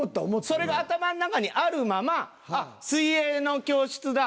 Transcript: それが頭の中にあるままあっ水泳の教室だ